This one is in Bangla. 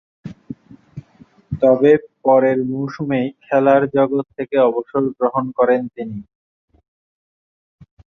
তবে, পরের মৌসুমেই খেলার জগৎ থেকে অবসর গ্রহণ করেন তিনি।